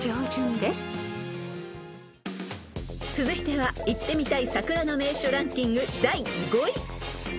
［続いては行ってみたい桜の名所ランキング第５位］